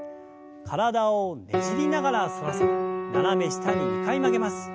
体をねじりながら反らせ斜め下に２回曲げます。